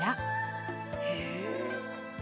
へえ。